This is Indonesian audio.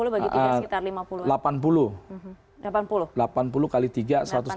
satu ratus enam puluh bagi tiga sekitar lima puluh an